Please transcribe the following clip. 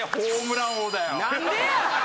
何でや！